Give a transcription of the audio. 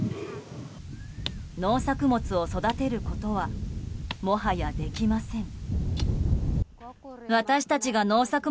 農作物を育てることはもはや、できません。